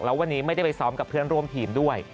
แล้ววันนี้ไม่ได้ไปซ้อมกับเพื่อนร่วมทีมด้วย